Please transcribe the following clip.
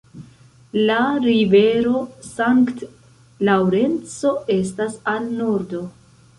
La rivero Sankt-Laŭrenco estas al nordo.